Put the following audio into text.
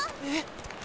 えっ。